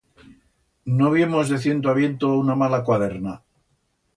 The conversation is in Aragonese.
No viemos de ciento a viento una mala cuaderna.